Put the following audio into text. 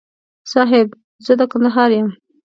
صاحب! زه د ننګرهار یم.